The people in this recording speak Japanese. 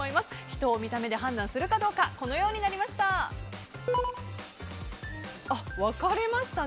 人を見た目で判断するかどうかこのようになりました。